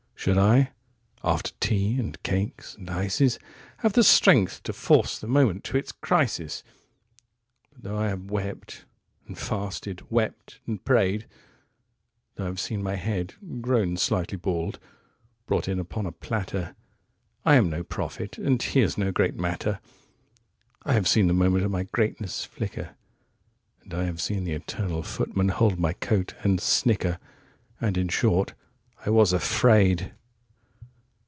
79Should I, after tea and cakes and ices,80Have the strength to force the moment to its crisis?81But though I have wept and fasted, wept and prayed,82Though I have seen my head (grown slightly bald) brought in upon a platter,83I am no prophet and here's no great matter;84I have seen the moment of my greatness flicker,85And I have seen the eternal Footman hold my coat, and snicker,86And in short, I was afraid.